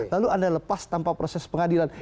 lalu anda lepas tanpa proses pengadilan